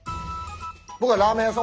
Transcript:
僕はラーメン屋さん。